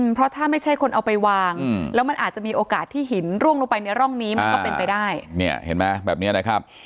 เพราะถ้าไม่ใช่คนเอาไปวางแล้วมันอาจจะมีโอกาสที่หินร่วงลงไปในร่องนี้มันก็เป็นไปได้